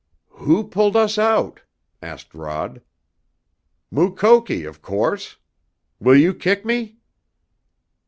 "Who pulled us out?" asked Rod. "Mukoki, of course. Will you kick me?"